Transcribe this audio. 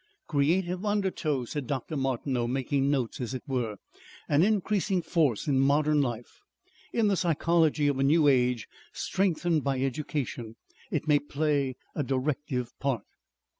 "Creative undertow," said Dr. Martineau, making notes, as it were. "An increasing force in modern life. In the psychology of a new age strengthened by education it may play a directive part."